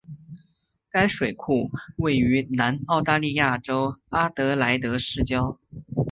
该水库位于南澳大利亚州阿德莱德市郊。